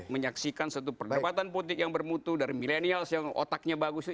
menyaksikan satu perdebatan politik yang bermutu dari milenials yang otaknya bagus itu